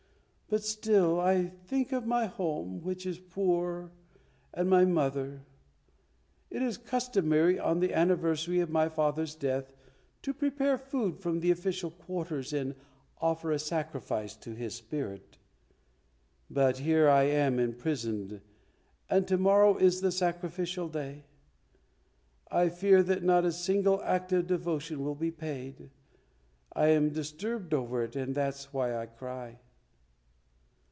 But still, I think of my home, which is poor, and my mother. It is customary on the anniversary of my father's death to prepare food from the official quarters, and offer a sacrifice to his spirit, but here I am imprisoned and to morrow is the sacrificial day. I fear that not a single act of devotion will be paid, I am disturbed over it, and that's why I cry."